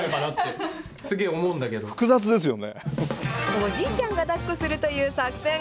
おじいちゃんがだっこするという作戦。